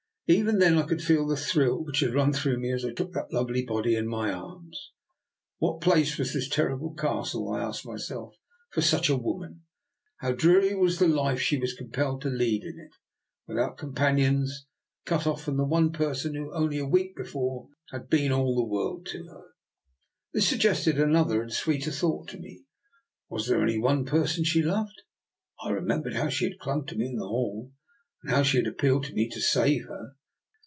Even then I could feel the thrill which had run through me as I took that lovely body in my arms. What place was this terrible Castle, I asked myself, for such a woman? How dreary was the life she was compelled to lead 14 2o6 I>R. NIKOLA'S EXPERIMENT. in it; without companions, and cut off from the one person who only a week before had been all her world to her. This suggested another and a sweeter thought to me. Was there only one person she loved? I remem bered how she had clung to me in the hall, and how she had appealed to me to save her.